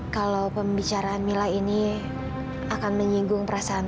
kalau pembicaraan mila ini akan menyinggung perasaan